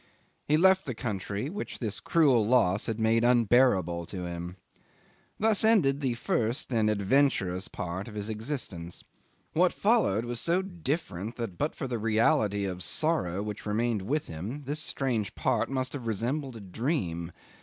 He left the country, which this cruel loss had made unbearable to him. Thus ended the first and adventurous part of his existence. What followed was so different that, but for the reality of sorrow which remained with him, this strange part must have resembled a dream.